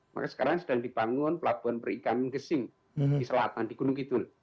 maka sekarang sedang dibangun pelabuhan perikan gesing di selatan di gunung kidul